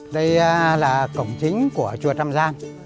đây là cổng chính của chùa trăm gian